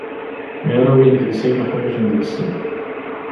Mi ara awin deg-s ayen uḥwaǧen deg-sen.